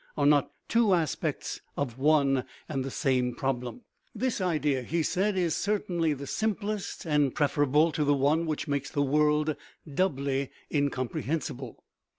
are not two aspects of one and the same problem. 181 THE RIDDLE OF THE UNIVERSE " This idea" he said, " is certainly the simplest, and preferable to the one which makes the world doubly incomprehensible.